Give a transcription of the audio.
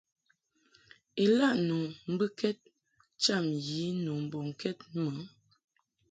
Ilaʼ nu mbɨkɛd cham yi nu mbɔŋkɛd mɨ.